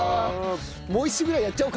もう１週ぐらいやっちゃおうか？